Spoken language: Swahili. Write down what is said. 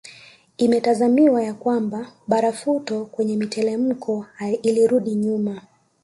Imetazamiwa ya kwamba barafuto kwenye mitelemko ilirudi nyuma